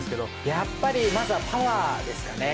やっぱりまずはパワーですかね。